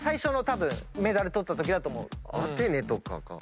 アテネとかか。